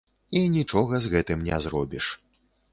І нічога з гэтым не зробіш.